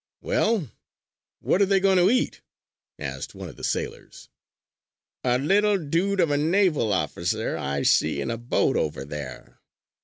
"Well, what are they going to eat?" asked one of the sailors. "A little dude of a naval officer I see in a boat over there!"